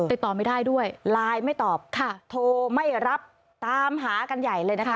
ติดต่อไม่ได้ด้วยไลน์ไม่ตอบค่ะโทรไม่รับตามหากันใหญ่เลยนะคะ